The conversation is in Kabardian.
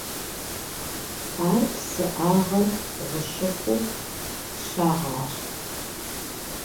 Ар псыӏагъэр гъущыху щагъагъ.